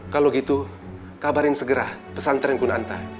kalau gitu kabarin segera pesantren kunanta